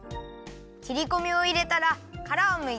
切りこみをいれたらからをむいて。